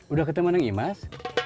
udah ketemu anang imas